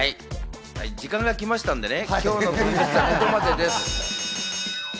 時間が来ましたので、今日のクイズッスはここまでです。